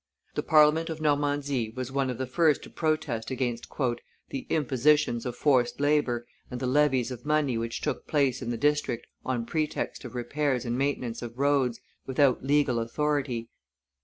The Parliament of Normandy was one of the first to protest against "the impositions of forced labor, and the levies of money which took place in the district on pretext of repairs and maintenance of roads, without legal authority."